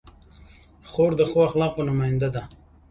خور د ښو اخلاقو نماینده ده.